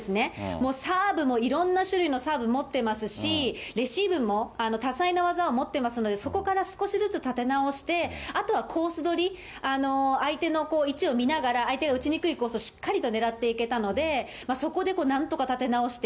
もうサーブもいろんな種類のサーブ持ってますし、レシーブも多彩な技を持ってますので、そこから少しずつ立て直して、あとはコース取り、相手の位置を見ながら、相手が打ちにくいコースをしっかりと狙っていけたので、そこでなんとか立て直して。